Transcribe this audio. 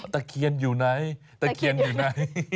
ตะเคียนอยู่ไหนตะเคียนอยู่ไหน